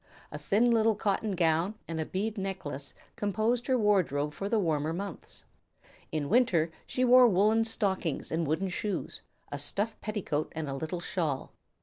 A thin little cotton gown and a bead necklace composed her wardrobe for the warmer months. In winter she wore woollen stockings and wooden shoes, a stuff petticoat and a little shawl.